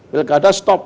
bila enggak ada stop